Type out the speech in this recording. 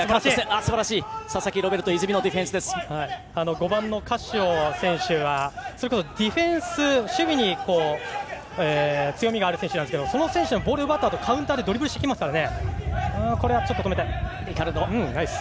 ５番、カシオ選手はそれこそディフェンス、守備に強みがある選手ですがその選手がボールを奪ったあとカウンターでドリブルしてきますからね。